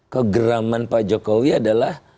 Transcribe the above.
kegeraman pak jokowi adalah